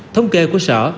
thống kê của sở